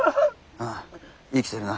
ああ生きてるな。